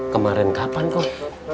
kemarin kapan kum